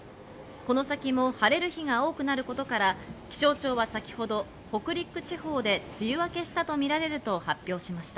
この先も晴れる日が多くなることから、気象庁は先ほど北陸地方で梅雨明けしたとみられると発表しました。